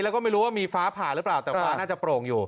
แล้วก็ไม่รู้ว่ามีฟ้าผ่าหรือเปล่าแต่ฟ้าน่าจะโปร่งอยู่